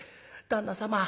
旦那様